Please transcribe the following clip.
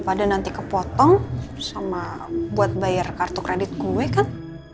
pada nanti kepotong sama buat bayar kartu kredit gue kan